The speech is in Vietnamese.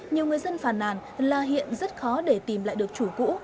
nhiều người dân phàn nàn là hiện rất khó để tìm lại được chủ cũ